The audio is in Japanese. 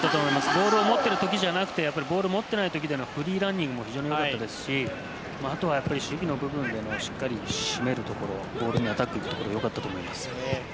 ボールを持っているときだけじゃなく持っていない時のフリーランニング非常に良かったですしあとは守備の部分でもしっかり締めるところボールにアタックに行くところ非常に良かったと思います。